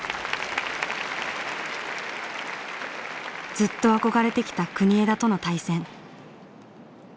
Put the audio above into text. ずっと憧れてきた国枝との対戦。